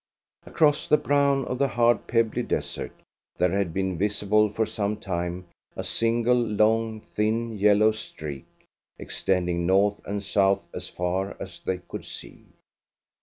Across the brown of the hard, pebbly desert there had been visible for some time a single long, thin, yellow streak, extending north and south as far as they could see.